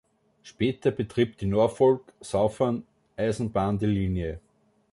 Später betrieb die Norfolk Southern-Eisenbahn die Linie.